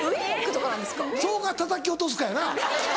それかたたき落とすかやな。